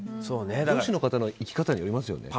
上司の方の生き方にもよりますよね。